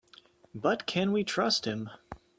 But can we trust him?